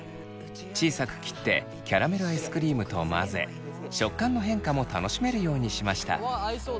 小さく切ってキャラメルアイスクリームと混ぜ食感の変化も楽しめるようにしました。